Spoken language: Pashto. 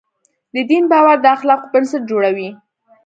د دین باور د اخلاقو بنسټ جوړوي.